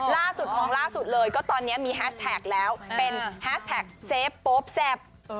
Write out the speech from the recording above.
ล่าสุดของล่าสุดเลยก็ตอนนี้มีแฮสแท็กแล้วเป็นแฮสแท็กเซฟโป๊ปแซ่บ